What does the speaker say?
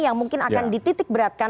yang mungkin akan dititik beratkan